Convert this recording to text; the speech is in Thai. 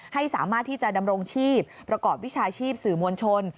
ให้สามารถที่จะดำรงชีพประกอบวิชาชีพสื่อมวลชน